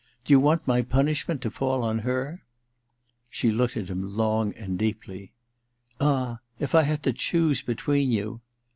Do you want my punishment to fall on her ?' She looked at him long and deeply. ' Ah, if I had to choose between you